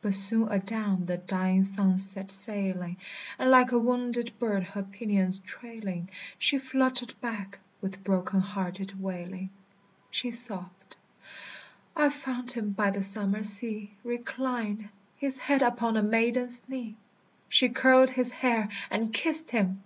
But soon adown the dying sunset sailing, And like a wounded bird her pinions trailing, She fluttered back, with broken hearted wailing. She sobbed, "I found him by the summer sea Reclined, his head upon a maiden's knee, She curled his hair and kissed him.